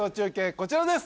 こちらです